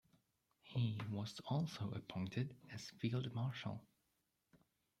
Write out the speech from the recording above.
He was also appointed as field marshal.